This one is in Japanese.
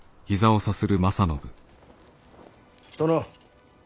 殿。